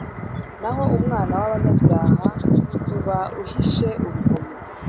naho umunwa w’abanyabyaha uba uhishe urugomo